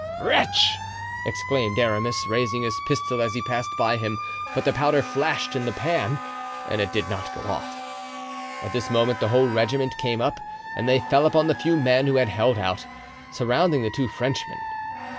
"Wretch!" exclaimed Aramis, raising his pistol as he passed by him; but the powder flashed in the pan and it did not go off. At this moment the whole regiment came up and they fell upon the few men who had held out, surrounding the two Frenchmen.